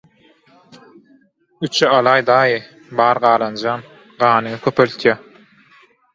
– Üçe alaý, daýy, bar galanjam. Ganyňy köpeldýä...